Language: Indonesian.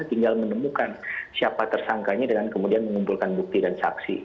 tinggal menemukan siapa tersangkanya dengan kemudian mengumpulkan bukti dan saksi